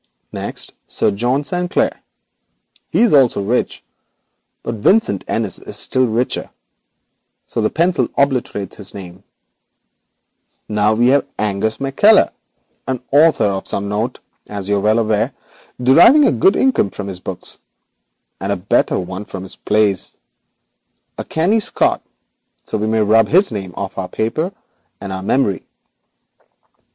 Next, Sir John Sanclere; he also is rich, but Vincent Innis is still richer, so the pencil obliterates both names. Now we arrive at Angus McKeller, an author of some note, as you are well aware, deriving a good income from his books and a better one from his plays; a canny Scot, so we may rub his name from our paper and our memory.